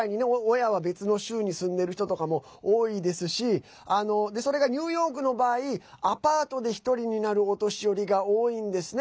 親は別の州に住んでる人とかも多いですしそれがニューヨークの場合アパートで１人になるお年寄りが多いんですね。